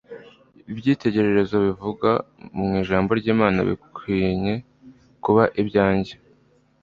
Ibyitegererezo bivugwa mu Ijambo iy'Imana bikwinye kuba ibyanjye.